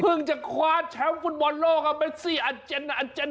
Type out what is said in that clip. เพิ่งจะขวาแชมป์ฟุตบอลโลกอะเม็ซซี่อัจจั้น